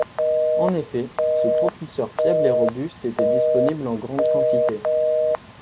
En effet ce propulseur fiable et robuste était disponible en grand quantité.